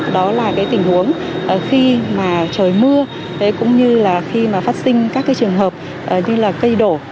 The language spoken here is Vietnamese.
đó là tình huống khi trời mưa khi phát sinh các trường hợp như cây đổ